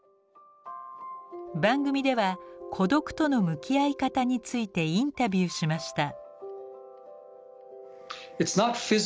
番組では「孤独との向き合い方」についてインタビューしました。